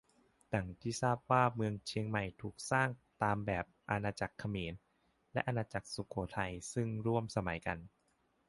ดั่งที่ทราบว่าเมืองเชียงใหม่ถูกสร้างตามแบบอาณาจักรเขมร และ อาณาจักรสุโขทัยซึ่งร่วมสมัยกัน